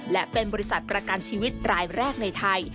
และเป็นบริษัทประกันชีวิตรายแรกในไทย